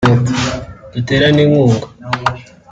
duterane inkunga